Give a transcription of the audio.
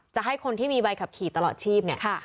จะให้คนที่มีใบขับขี่ตลอดชีพเนี่ย